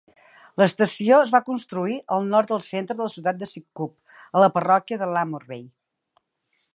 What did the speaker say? L'estació es va construir al nord del centre de la ciutat de Sidcup, a la parròquia de Lamorbey.